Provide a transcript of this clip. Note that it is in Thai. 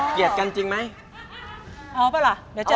หยุดได้ไหมสักที